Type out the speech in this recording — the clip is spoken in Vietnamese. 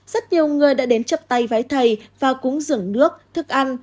rất nhiều người đã đến chấp tay với thầy và cúng dưỡng nước thức ăn